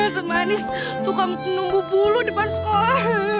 semanis tuh kamu nunggu bulu depan sekolah